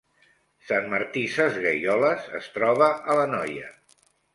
Sant Martí Sesgueioles es troba a l’Anoia